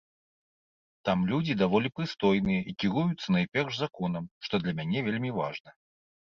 Там людзі даволі прыстойныя і кіруюцца найперш законам, што для мяне вельмі важна.